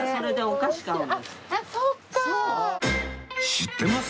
知ってます？